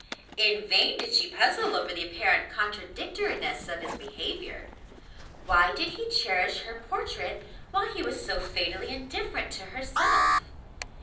In vain did she puzzle over the apparent contradictoriness of his behaviour. Why did he cherish her portrait while he was so fatally indifferent to herself?